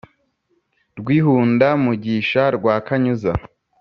Rwihunda-mugisha rwa Kanyuza*